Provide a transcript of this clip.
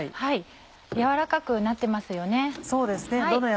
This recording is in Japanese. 軟らかくなってますよね。